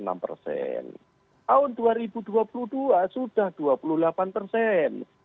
lalu kemudian tahun dua ribu dua puluh delapan persen